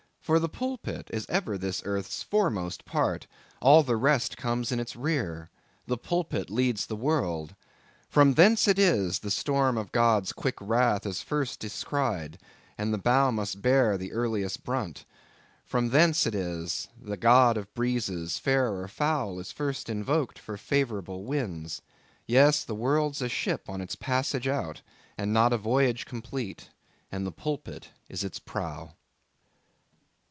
—for the pulpit is ever this earth's foremost part; all the rest comes in its rear; the pulpit leads the world. From thence it is the storm of God's quick wrath is first descried, and the bow must bear the earliest brunt. From thence it is the God of breezes fair or foul is first invoked for favourable winds. Yes, the world's a ship on its passage out, and not a voyage complete; and the pulpit is its prow.